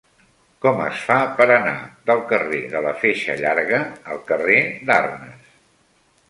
Com es fa per anar del carrer de la Feixa Llarga al carrer d'Arnes?